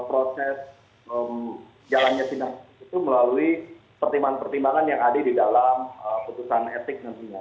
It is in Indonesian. proses jalannya sidang itu melalui pertimbangan pertimbangan yang ada di dalam putusan etik nantinya